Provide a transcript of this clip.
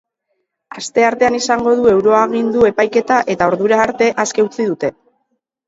Asteartean izango du euroagindu epaiketa eta ordura arte aske utzi dute.